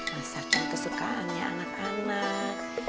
masakin kesukaannya anak anak